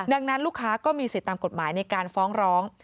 ดังนั้นลูกค้าก็มีสิทธิ์ตามกฎหมายในการฟ้องร้อง